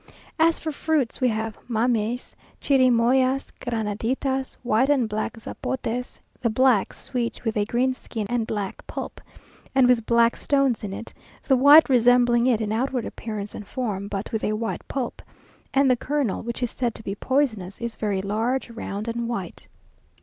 As for fruits, we have mameys, chirimoyas, granaditas, white and black zapotes; the black, sweet, with a green skin and black pulp, and with black stones in it; the white resembling it in outward appearance and form, but with a white pulp, and the kernel, which is said to be poisonous, is very large, round, and white.